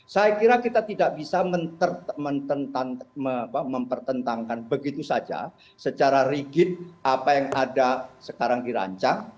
saya kira kita tidak bisa mempertentangkan begitu saja secara rigid apa yang ada sekarang dirancang